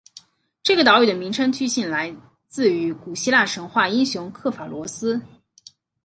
这个岛屿的名称据信来自于古希腊神话英雄刻法罗斯。